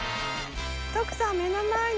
徳さん目の前に。